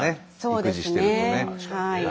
育児してるとね。